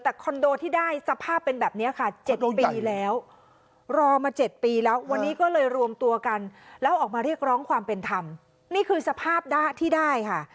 แต่คอนโดที่ได้สภาพเป็นแบบนี้ค่ะ๗ปีแล้วรอมา๗ปีแล้ววันนี้ก็เลยรวมตัวกันแล้วออกมาเรียกร้องความเป็นธรรมนี่คือสภาพที่ได้ค่ะ